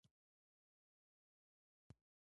ازادي راډیو د ترانسپورټ لپاره د خلکو غوښتنې وړاندې کړي.